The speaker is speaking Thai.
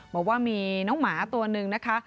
บอกว่ามีน้องหมาตัวหนึ่งนะคะ